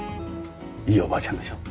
いいおばあちゃんでしょう？